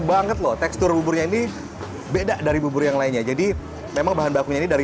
banget loh tekstur buburnya ini beda dari bubur yang lainnya jadi memang bahan bakunya ini dari